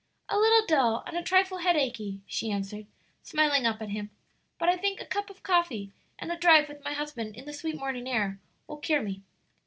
"A little dull and a trifle headachy," she answered, smiling up at him, "but I think a cup of coffee and a drive with my husband in the sweet morning air will cure me."